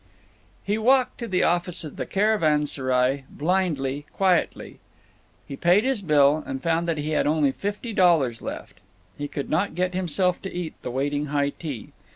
He walked to the office of the Caravanserai, blindly, quietly. He paid his bill, and found that he had only fifty dollars left. He could not get himself to eat the waiting high tea.